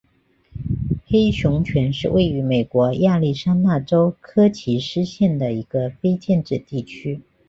黑熊泉是位于美国亚利桑那州科奇斯县的一个非建制地区。